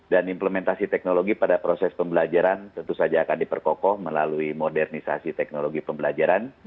implementasi teknologi pada proses pembelajaran tentu saja akan diperkokoh melalui modernisasi teknologi pembelajaran